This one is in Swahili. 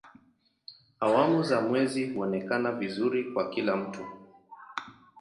Awamu za mwezi huonekana vizuri kwa kila mtu.